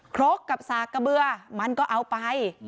โครกกับสากเกบื้อมันก็เอาไป